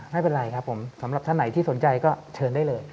ไม่เป็นไรครับผมสำหรับท่านไหนที่สนใจก็เชิญได้เลย